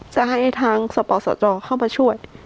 จะให้ทางสปสจเข้ามาช่วย